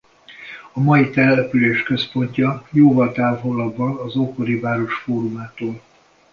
A mai település központja jóval távolabb van az ókori város fórumától.